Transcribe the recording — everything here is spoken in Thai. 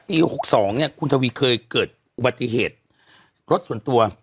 ปี๖๒เนี่ยคุณทวีเคยเกิดอุบัติเหตุรถส่วนตัว